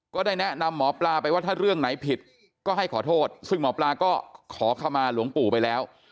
ก็ได้แนะนำหมอปลาไปว่าถ้าเรื่องไหนผิดก็ให้ขอโทษซึ่งหมอปลาก็ขอเข้ามาหลวงปู่ไปแล้ว